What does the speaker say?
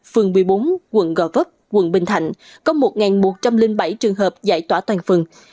phường một mươi bốn quận gò vấp quận bình thạnh có một một trăm linh bảy trường hợp giải tỏa toàn phần